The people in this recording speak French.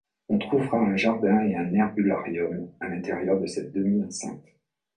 On trouvera un jardin et un herbularium à l'intérieur de cette demi-enceinte.